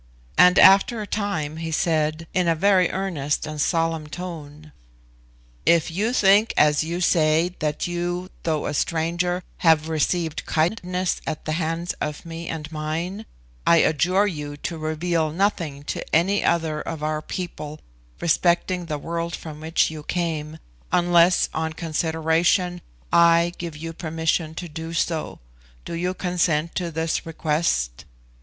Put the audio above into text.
And after a time he said, in a very earnest and solemn tone, "If you think as you say, that you, though a stranger, have received kindness at the hands of me and mine, I adjure you to reveal nothing to any other of our people respecting the world from which you came, unless, on consideration, I give you permission to do so. Do you consent to this request?"